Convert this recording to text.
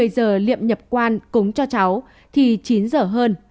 một mươi giờ liệm nhập quan cúng cho cháu thì chín giờ hơn